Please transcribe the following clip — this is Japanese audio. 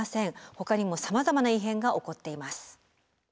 ほかにもさまざまな異変が起こっています。